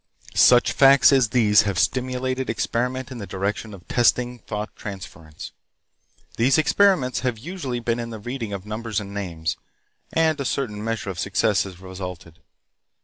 Such facts as these have stimulated experiment in the direction of testing thought transference. These experiments have usually been in the reading of numbers and names, and a certain measure of success has resulted.